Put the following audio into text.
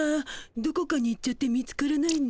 どこかに行っちゃって見つからないの。